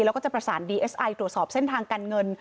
แล้วก็จะประสานดีเอสไอตรวจสอบเส้นทางการเงิน